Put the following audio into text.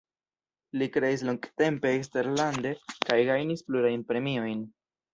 Li kreis longtempe eksterlande kaj gajnis plurajn premiojn.